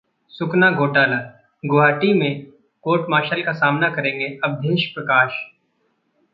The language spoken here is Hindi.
सुकना घोटालाः गुवाहाटी में कोर्ट मार्शल का सामना करेंगे अवधेश प्रकाश